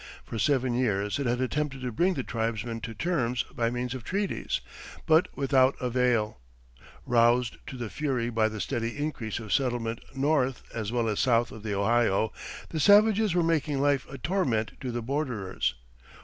For seven years it had attempted to bring the tribesmen to terms by means of treaties, but without avail. Roused to fury by the steady increase of settlement north as well as south of the Ohio, the savages were making life a torment to the borderers.